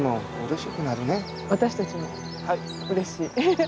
私たちもうれしい。